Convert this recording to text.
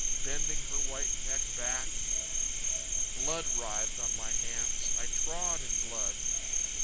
Bending her white neck back.... Blood writhed on my hands; I trod in blood....